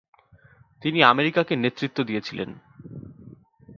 তিনি আমেরিকাকে নেতৃত্ব দিয়েছিলেন।